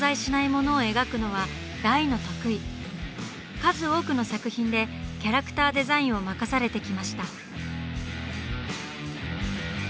数多くの作品でキャラクターデザインを任されてきました。